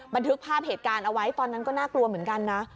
บันทึกภาพเหตุการณ์เอาไว้ตอนนั้นก็น่ากลัวเหมือนกันนะ